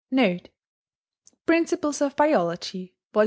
"*... [*Principles of Biology, Vol.